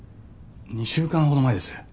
２週間ほど前です。